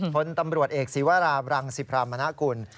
พลตำรวจเอกศีวราบรังสิพรามนากุล